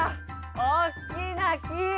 おっきなき！